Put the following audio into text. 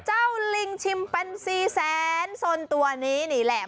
เจ้าลิงชิมแปนซีแซนส่วนตัวนี้นี่แหละ